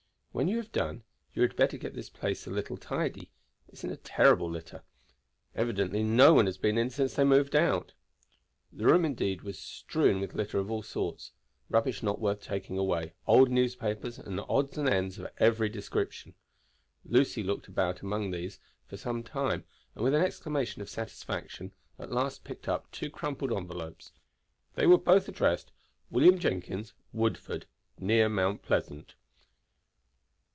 When you have done, you had better get this place tidy a little; it is in a terrible litter. Evidently no one has been in since they moved out." The room, indeed, was strewed with litter of all sorts, rubbish not worth taking away, old newspapers, and odds and ends of every description. Lucy looked about among these for some time, and with an exclamation of satisfaction at last picked up two crumpled envelopes. They were both addressed "William Jenkins, Woodford, near Mount Pleasant."